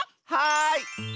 はい！